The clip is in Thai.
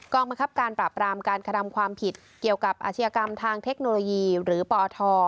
บังคับการปราบรามการกระทำความผิดเกี่ยวกับอาชญากรรมทางเทคโนโลยีหรือปอท